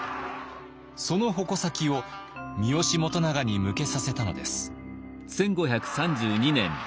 その矛先を三好元長に向けさせたのです。